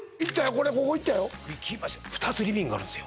これここ行ったよ行きました２つリビングあるんです